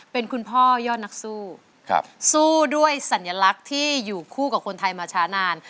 เป็นคุณพ่อยอดนักสู้สู้ด้วยสัญลักษณ์ที่อยู่คู่กับคนไทยมาช้านาน